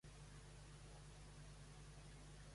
El cognom és Cernadas: ce, e, erra, ena, a, de, a, essa.